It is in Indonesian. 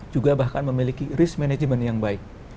juga bahkan memiliki risk management yang baik